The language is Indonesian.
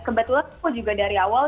kebetulan aku juga dari awal